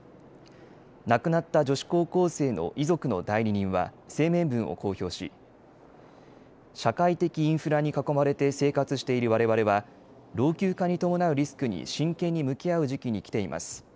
亡くなった女子高校生の遺族の代理人は声明文を公表し社会的インフラに囲まれて生活しているわれわれは老朽化に伴うリスクに真剣に向き合う時期に来ています。